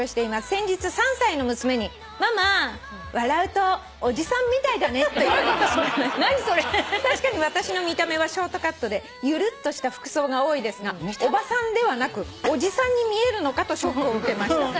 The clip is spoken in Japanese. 「先日３歳の娘に『ママ笑うとおじさんみたいだね』と言われてしまいました」「確かに私の見た目はショートカットでゆるっとした服装が多いですがおばさんではなくおじさんに見えるのかとショックを受けました」